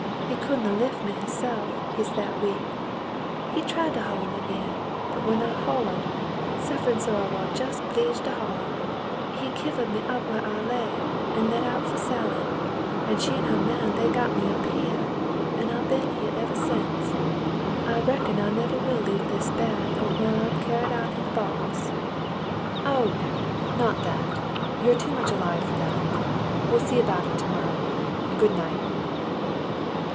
He couldn't lif me hisse'f , he's that weak ; he tried to haul me in, but when I hollered, — sufferin' so I war jes' 'bleeged to holler, — he kivered me up whar I lay and lit out fer Sally, an' she an' her man they got me up here, an' here I ben ever since. I reckon I never will leave this bed ontwell I'm cyarried out in a box." The Mountain People £S "Oh, no, not that ! You're too much ahve for that. We'll see about it to morrow. Good night."